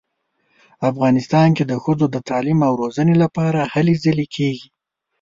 افغانستان کې د ښځو د تعلیم او روزنې لپاره هلې ځلې کیږي